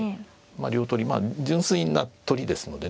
両取りまあ純粋な取りですのでね